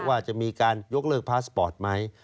ว่าจะมีการยกเลิกพาสปอร์ตไหม